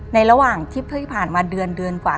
ในระหว่างที่เผื่อผ่านมาเดือนกว่า